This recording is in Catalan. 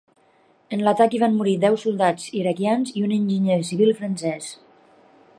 En l'atac hi van morir deu soldats iraquians i un enginyer civil francès.